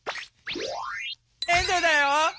エンドゥだよ！